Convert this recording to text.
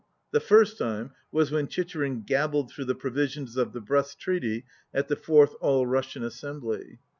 The first time was when Chicherin gabbled through the provisions of the Brest Treaty at the fourth All Russian As sembly.)